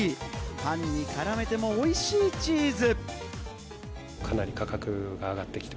パンに絡めても、おいしいチーズ。